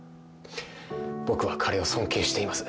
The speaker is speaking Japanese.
僕は彼を尊敬しています。